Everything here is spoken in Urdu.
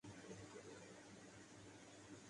اب نمودار ہوگا اس کے لیے فکر اسلامی کی